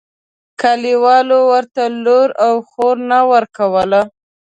کلیوالو ورته لور او خور نه ورکوله.